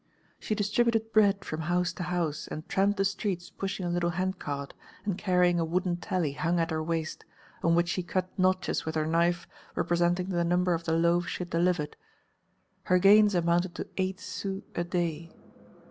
She distributed bread from house to house and tramped the streets pushing a little hand cart and carrying a wooden tally hung at her waist, on which she cut notches with her knife representing the number of the loaves she had delivered. Her gains amounted to eight sous a day.